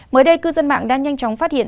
mới đây cư dân mạng đã nhanh chóng phát hiện